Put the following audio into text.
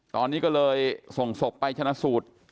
ตอนนี้ก็เลยส่งศพไปชนะสูตร